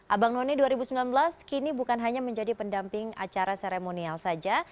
abang none dua ribu sembilan belas kini bukan hanya menjadi pendamping acara seremonial saja